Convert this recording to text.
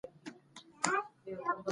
د افغانستان په منظره کې کندهار ښکاره دی.